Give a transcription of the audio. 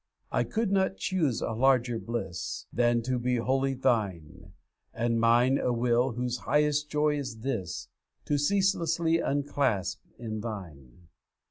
'I could not choose a larger bliss Than to be wholly Thine; and mine A will whose highest joy is this, To ceaselessly unclasp in Thine.